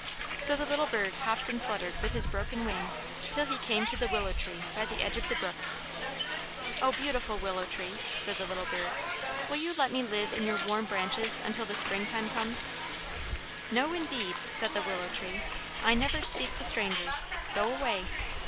So the little bird hopped and fluttered with his broken wing till he came to the willow tree by the edge of the brook. "O beautiful willow tree," said the little bird, "will you let me live in your warm branches until the springtime comes?" "No, indeed," said the willow tree; "I never speak to strangers. Go away."